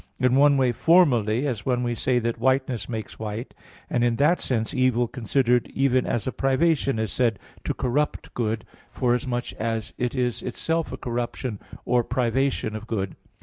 In one way, formally, as when we say that whiteness makes white; and in that sense evil considered even as a privation is said to corrupt good, forasmuch as it is itself a corruption or privation of good.